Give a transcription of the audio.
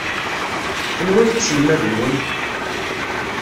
Anwa ay d aselmad-nwen?